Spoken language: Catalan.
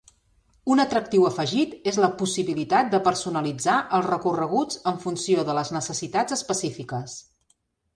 Un atractiu afegit és la possibilitat de personalitzar els recorreguts en funció de les necessitats específiques.